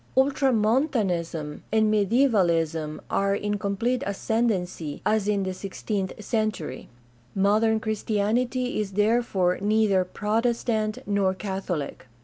Ultramontanism and Mediaevalism are in complete ascendency, as in the sixteenth century. Modern Christianity is therefore neither Protestant nor Catholic.